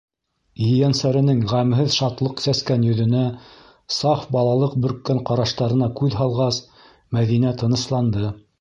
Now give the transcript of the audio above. Ейәнсәренең ғәмһеҙ шатлыҡ сәскән йөҙөнә, саф балалыҡ бөрккән ҡараштарына күҙ һалғас, Мәҙинә тынысланды.